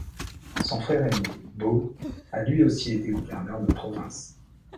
Son frère aîné, Bo, a lui aussi été gouverneur de province.